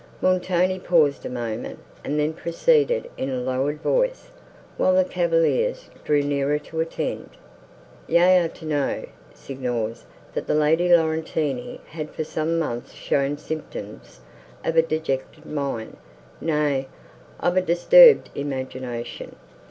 Montoni paused a moment, and then proceeded in a lowered voice, while the cavaliers drew nearer to attend. "Ye are to know, Signors, that the Lady Laurentini had for some months shown symptoms of a dejected mind, nay, of a disturbed imagination.